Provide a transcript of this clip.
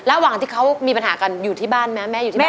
ระหว่างที่เขามีปัญหากันอยู่ที่บ้านไหมแม่อยู่ที่บ้าน